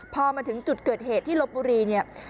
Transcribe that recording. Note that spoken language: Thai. พอมาถึงจุดเกิดเหตุที่ลบบุรีเนี่ย